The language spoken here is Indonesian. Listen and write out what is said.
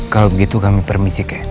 kalau begitu kami permisi kek